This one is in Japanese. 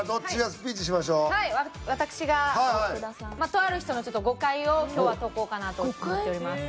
とある人のちょっと誤解を今日は解こうかなと思っております。